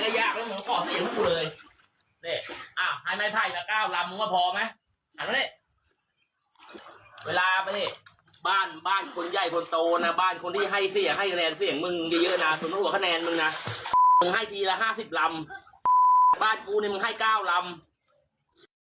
บ้านกูเนี่ยมึงให้๙ลำ